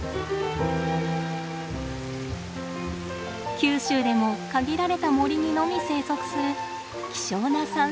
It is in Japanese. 九州でも限られた森にのみ生息する希少なサンショウウオです。